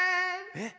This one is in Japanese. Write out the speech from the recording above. ・えっ